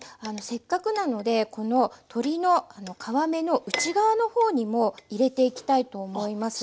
せっかくなのでこの鶏の皮目の内側の方にも入れていきたいと思います。